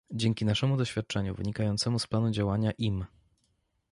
Dzięki naszemu doświadczeniu, wynikającemu z planu działania im